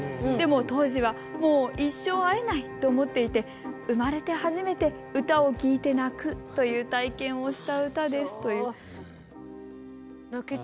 でも当時はもう一生会えない！と思っていて生まれて初めて歌を聞いて泣くという体験をした歌です」という。